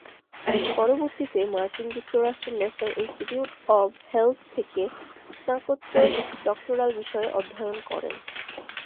পরবর্তীতে মার্কিন যুক্তরাষ্ট্রের ন্যাশনাল ইনস্টিটিউট অব হেলথ থেকে স্নাতকোত্তর ডক্টরাল বিষয়ে অধ্যয়ন করেন।